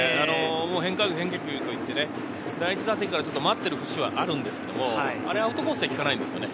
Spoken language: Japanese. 変化球、変化球といって、第１打席から待っている節はあるんですけど、これはアウトコースには効かないんですよね。